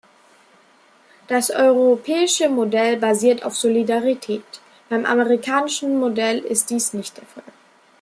Das europäische Modell basiert auf Solidarität, beim amerikanischen Modell ist dies nicht der Fall.